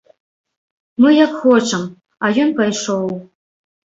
Мы як хочам, а ён пайшоў.